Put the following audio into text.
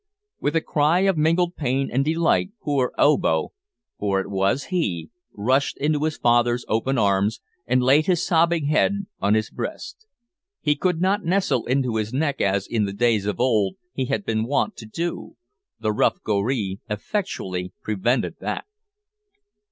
With a cry of mingled pain and delight poor Obo, for it was he, rushed into his father's open arms, and laid his sobbing head on his breast. He could not nestle into his neck as, in the days of old, he had been wont to do, the rough goree effectually prevented that.